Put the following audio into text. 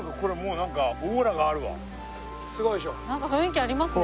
なんか雰囲気ありますね